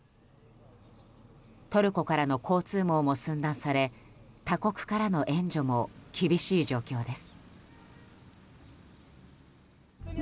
トルコからの交通網も寸断され他国からの援助も厳しい状況です。